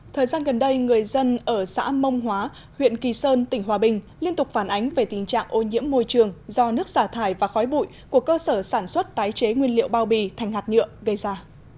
thời gian gần đây người dân ở xã mông hóa huyện kỳ sơn tỉnh hòa bình liên tục phản ánh về tình trạng ô nhiễm môi trường do nước xả thải và khói bụi của cơ sở sản xuất tái chế nguyên liệu bao bì thành hạt nhựa gây ra